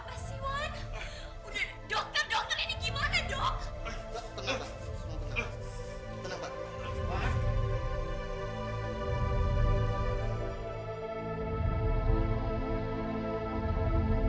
aku sudah merasa mati